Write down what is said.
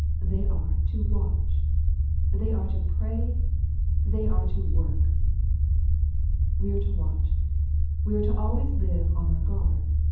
They are to watch. They are to pray. They are to work. We are to watch. We are to live always on our guard.